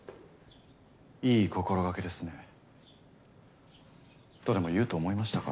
いい心掛けですね。とでも言うと思いましたか？